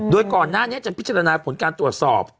โดยก่อนหน้านี้จะพิจารณาผลการตรวจสอบ